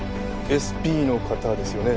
ＳＰの方ですよね？